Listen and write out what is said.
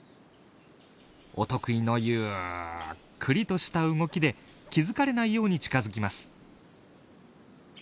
お得意のゆっくりとした動きで気づかれないように近づきます。